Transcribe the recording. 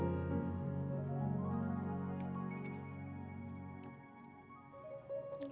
iya girls yang tuuuck